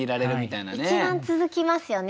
一番続きますよね